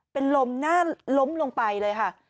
เป็นลมหน้าล้มลงไปเลยค่ะ